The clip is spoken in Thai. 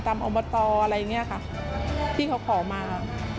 อบตอะไรอย่างนี้ค่ะที่เขาขอมา